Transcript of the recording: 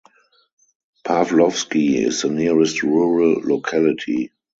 Pavlovsky is the nearest rural locality.